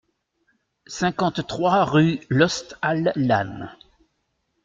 cinquante-trois rue Lost al Lann